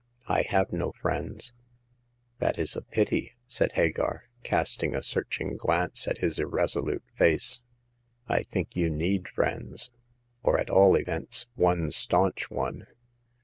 " I have no friends." That is a pity," said Hagar, casting a search ing glance at his irresolute face. I think you need friends — or, at all events, one staunch one."